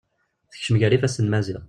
Tekcem gar ifasen n Maziɣ.